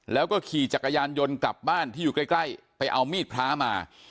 แล้วก็ขี่จักรยานยนต์กลับบ้านที่อยู่ใกล้ไปเอามีดพระมา